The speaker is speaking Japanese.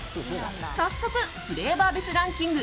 早速、フレーバー別ランキング